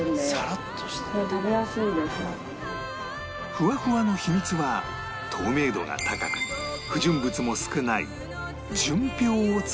ふわふわの秘密は透明度が高く不純物も少ない純氷を使う事